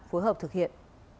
phối hợp thực hiện